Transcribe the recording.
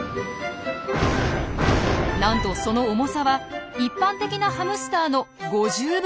なんとその重さは一般的なハムスターの以下。